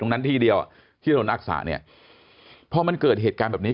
นั้นที่เดียวที่ถนนอักษะเนี่ยพอมันเกิดเหตุการณ์แบบนี้